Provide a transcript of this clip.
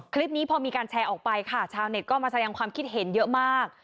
คลิปนี้พอมีการแชร์ออกไปค่ะชาวเน็ตก็มาแสดงความคิดเห็นเยอะมาก